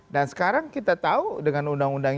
dan sekarang kita tahu dengan undang undang